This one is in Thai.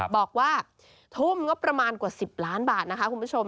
บอกว่าทุ่มงบประมาณกว่า๑๐ล้านบาทนะคะคุณผู้ชม